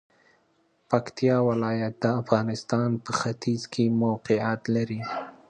پکتیا ولایت د افغانستان په ختیځ کې موقعیت لري.